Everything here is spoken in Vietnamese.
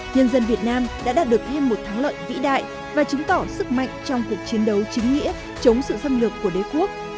nhân dân việt nam đã đạt được thêm một thắng lợi vĩ đại và chứng tỏ sức mạnh trong cuộc chiến đấu chính nghĩa chống sự xâm lược của đế quốc